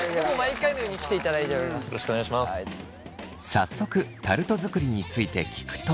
早速タルト作りについて聞くと。